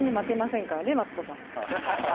マツコさん。